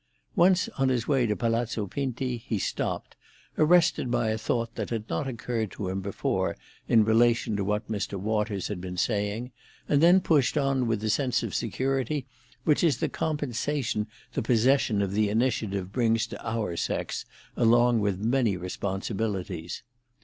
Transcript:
Once on his way to Palazzo Pinti, he stopped, arrested by a thought that had not occurred to him before in relation to what Mr. Waters had been saying, and then pushed on with the sense of security which is the compensation the possession of the initiative brings to our sex along with many responsibilities.